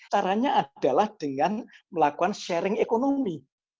caranya adalah dengan melakukan sharing ekonomi